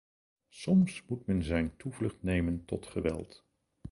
Soms moet men zijn toevlucht nemen tot geweld.